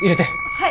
はい！